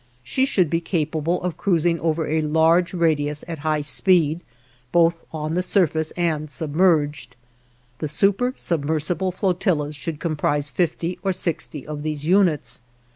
She should be capable of cruising over a large radius at high speed, both on the surface and submerged. The supersubmersible flotillas should comprise fifty or sixty of these units.